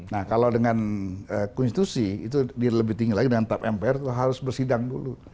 nah kalau dengan konstitusi itu lebih tinggi lagi dengan tap mpr itu harus bersidang dulu